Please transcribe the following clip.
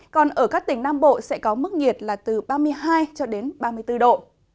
còn ở các tỉnh nam bộ sẽ có mức nhiệt là từ ba mươi hai ba mươi bốn độ